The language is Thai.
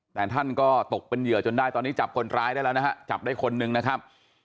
แต่ท่านก็ตกเป็นเหยื่อจนได้ตอนนี้จับคนร้ายได้แล้วนะฮะจับได้คนนึงนะครับ